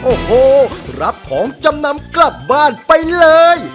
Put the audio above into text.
โอ้โหรับของจำนำกลับบ้านไปเลย